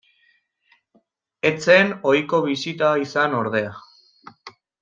Ez zen ohiko bisita izan ordea.